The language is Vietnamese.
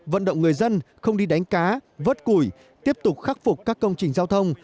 vận động người dân không đi đánh cá vớt củi tiếp tục khắc phục các công trình giao thông